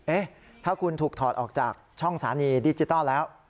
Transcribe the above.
เอ๊ะถ้าคุณถูกถอดออกจากช่องสถานีดิจิทัลแล้ว